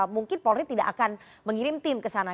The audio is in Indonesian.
mungkin polri tidak akan mengirim tim ke sana